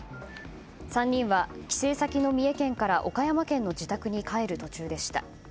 ３人は帰省先の三重県から岡山県の自宅に帰る途中でした。